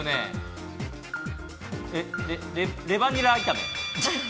レバニラ炒め。